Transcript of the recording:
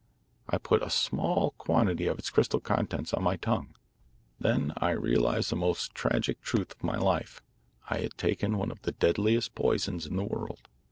"I put a small quantity of its crystal contents on my tongue. Then I realised the most tragic truth of my life. I had taken one of the deadliest poisons in the world.